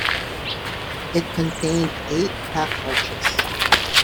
It contained eight half-arches.